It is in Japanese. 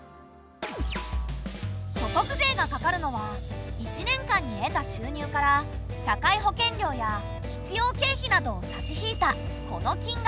所得税がかかるのは１年間に得た収入から社会保険料や必要経費などを差し引いたこの金額。